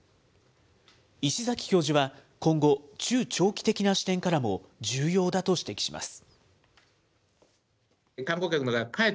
石崎教授は今後、中長期的な視点からも重要だと指摘します。